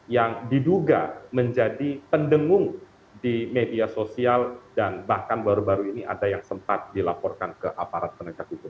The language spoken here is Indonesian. yang diduga menjadi pendengung di media sosial dan bahkan baru baru ini ada yang sempat dilaporkan ke aparat penegak hukum